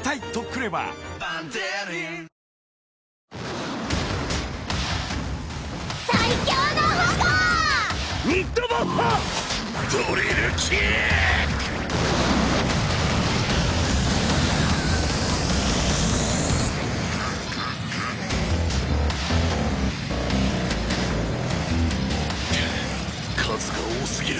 くっ数が多すぎる。